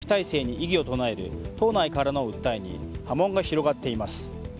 共産党志位委員長の長期体制に異議を唱える党内からの訴えに波紋が広がっています。